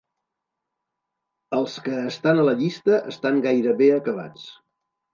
Els que estan a la llista estan gaire bé acabats.